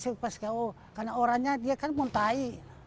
karena orangnya dia kan muntahi